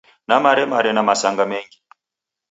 Namaremare na masanga mengi